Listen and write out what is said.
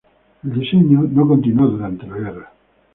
El diseño no continuó durante la guerra.